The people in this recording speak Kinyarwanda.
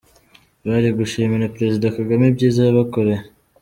Bari gushimira Perezida Kagame ibyiza yabakoreye.